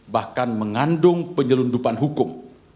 bahkan mengandung penyelundupan hukum